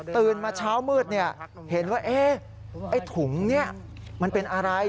ตื่นมาเช้ามืดเห็นว่าไอ้ถุงนี้มันเป็นอะไร